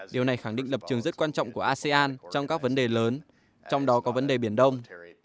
điều này khẳng định lập trường rất quan trọng của asean trong các vấn đề lớn trong đó có vấn đề biển đông